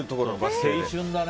青春だね。